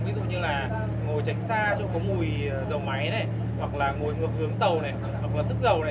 ví dụ như là ngồi tránh xa chỗ có mùi dầu máy này hoặc là ngồi ngược hướng tàu này hoặc là sức dầu này